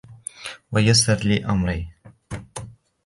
ويسر لي أمري